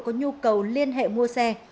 có nhu cầu liên hệ mua xe